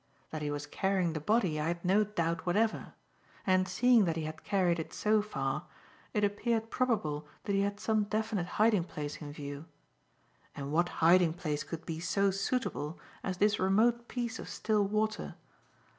That he was carrying the body, I had no doubt whatever; and, seeing that he had carried it so far, it appeared probable that he had some definite hiding place in view. And what hiding place could be so suitable as this remote piece of still water?